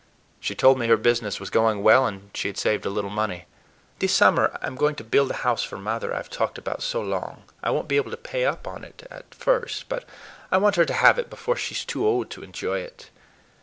She told me her business was going well, and she had saved a little money. "This summer I'm going to build the house for mother I've talked about so long. I won't be able to pay up on it at first, but I want her to have it before she is too old to enjoy it.